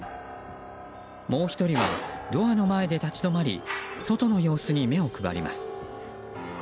もう１人はドアの前で立ち止まり外の様子に目を配ります。